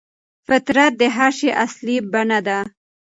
فطرت د هر شي اصلي بڼه ده.